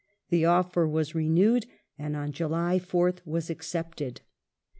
^ The offer was renewed and on July 4th was accepted.